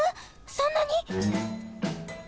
そんなに！？